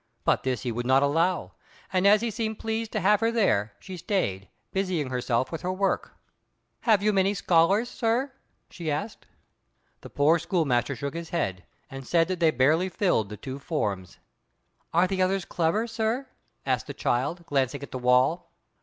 But this he would not allow; and as he seemed pleased to have her there, she stayed, busying herself with her work. "Have you many scholars, sir?" she asked. The poor schoolmaster shook his head, and said that they barely filled the two forms. "Are the others clever, sir?" asked the child, glancing at the wall.